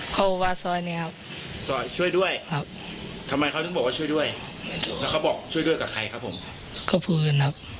เขาพูดกันครับ